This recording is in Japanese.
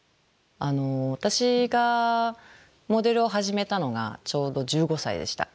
私がモデルを始めたのがちょうど１５歳でした。